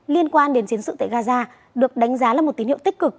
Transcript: liên quan đến chiến sự tại gaza được đánh giá là một tín hiệu tích cực